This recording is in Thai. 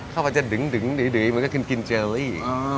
เข้าไปจะดึงดีมันก็กินเจอรี่